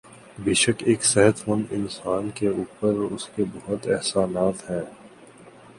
بیشک ایک صحت مند اانسان کے اوپر اسکے بہت احسانات ہیں